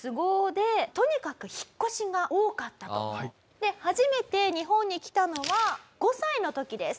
で初めて日本に来たのは５歳の時です。